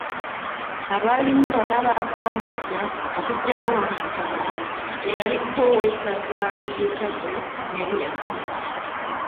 Abaalulimu bonna baakisambajja okuggyako Ham Mukasa eyaliko Owessaza ly’e Kyaggwe ne Eriya Ssonko.